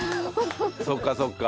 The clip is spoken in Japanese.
そっかそっか。